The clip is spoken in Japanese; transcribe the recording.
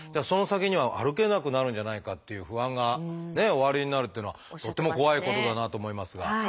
その先には歩けなくなるんじゃないかっていう不安がおありになるっていうのはとっても怖いことだなと思いますが。